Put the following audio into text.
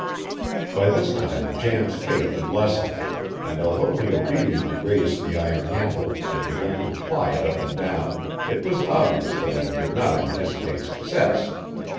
By this time Jan's faith had lessened, and although he obediently raised the iron handle and began to ply it up and down, it was obvious that he did not anticipate success.